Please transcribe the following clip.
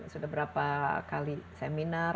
sudah berapa kali seminar